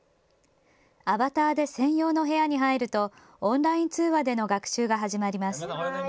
アバターで専用の部屋に入るとオンライン通話での学習が始まります。